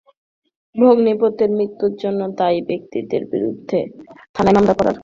ভগ্নিপতির মৃত্যুর জন্য দায়ী ব্যক্তিদের বিরুদ্ধে থানায় মামলা করার কথা বলেছেন নিজাম।